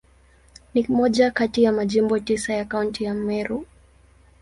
Ni moja kati ya Majimbo tisa ya Kaunti ya Meru.